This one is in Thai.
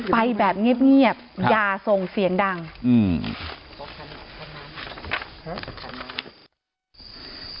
ไปแบบเงียบเงียบอย่าส่งเสียงดังอืม